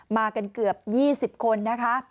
มากันเกือบ๒๐คนนะคะ